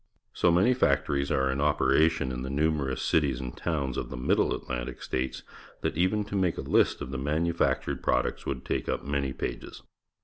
So many factories are in operation in the numerous cities and towns of the Middle Atlantic States that even to make a hst of the manufactured products would take up many pages.